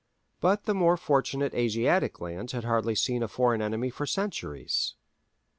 But the more fortunate Asiatic lands had hardly seen a foreign enemy for centuries.